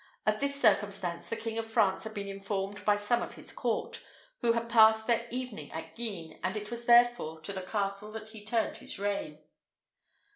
Of this circumstance the King of France had been informed by some of his court, who had passed their evening at Guisnes, and it was therefore to the castle that he turned his rein.